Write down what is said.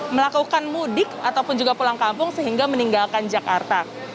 melakukan mudik ataupun juga pulang kampung sehingga meninggalkan jakarta